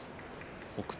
北勝